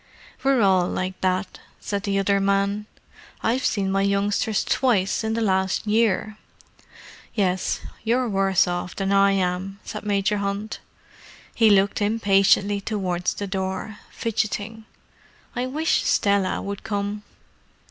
"We're all like that," said the other man. "I've seen my youngsters twice in the last year." "Yes, you're worse off than I am," said Major Hunt. He looked impatiently towards the door, fidgeting. "I wish Stella would come."